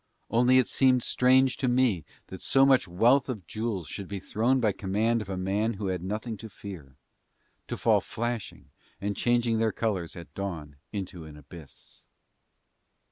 Only it seemed strange to me that so much wealth of jewels should be thrown by command of a man who had nothing to fear to fall flashing and changing their colours at dawn into an abyss.